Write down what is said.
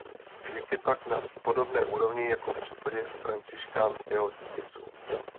Věk je pak na podobné úrovni jako v případě Františkánského tisu.